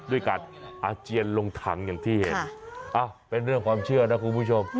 ด้วยการอาเจียนลงถังอย่างที่เห็นเป็นเรื่องความเชื่อนะคุณผู้ชม